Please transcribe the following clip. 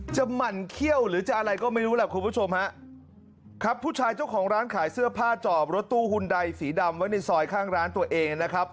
หมั่นเขี้ยวหรือจะอะไรก็ไม่รู้แหละคุณผู้ชมฮะครับผู้ชายเจ้าของร้านขายเสื้อผ้าจอบรถตู้หุ่นใดสีดำไว้ในซอยข้างร้านตัวเองนะครับ